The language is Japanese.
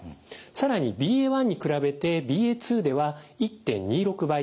更にＢＡ．１に比べてＢＡ．２では１．２６倍。